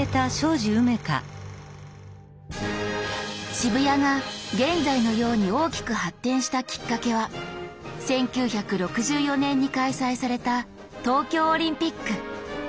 渋谷が現在のように大きく発展したきっかけは１９６４年に開催された東京オリンピック。